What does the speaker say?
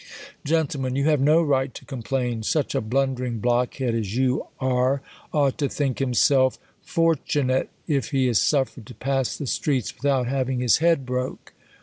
Gent, You have no right to complain. Such a blundering blockhead as you are ought to think him* self fortchunate, if he is suffered to pass the streets with out having his head broke.